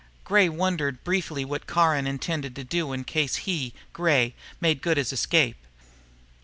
Gray wondered briefly what Caron intended to do in case he, Gray, made good his escape.